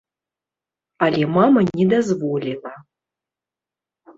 Але мама не дазволіла.